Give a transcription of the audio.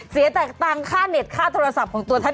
เสียแตกตังค่าเน็ตค่าโทรศัพท์ของตัวท่าน